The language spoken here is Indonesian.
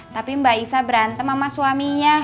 tapi mbak isa berantem sama suaminya